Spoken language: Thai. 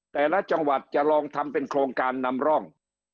แต่ละจังหวัดจะลองทำเป็นโครงการนำร่อง